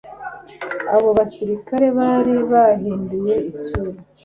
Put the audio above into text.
Abo basirikare bari bahinduye isura.